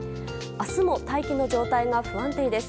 明日も大気の状態が不安定です。